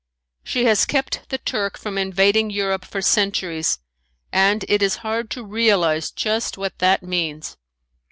She has kept the Turk from invading Europe for centuries and it is hard to realize just what that means.